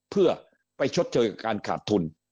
เพื่อไปชดเชยกับการขาดทุน